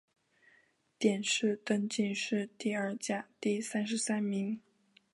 殿试登进士第二甲第三十三名。